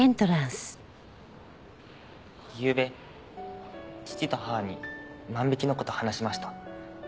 ゆうべ父と母に万引きの事を話しました。